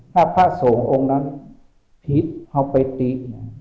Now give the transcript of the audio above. พระพระสงค์องค์นั้นฮิตเข้าไปตี้